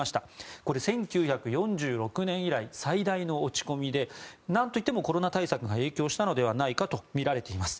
これ、１９４６年以来最大の落ち込みでなんといってもコロナ対策が影響したのではとみられています。